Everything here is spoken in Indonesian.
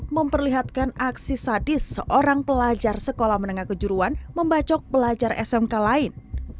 memperlihatkan aksi sadis seorang pelajar sekolah menengah kejuruan membacok pelajar smk lain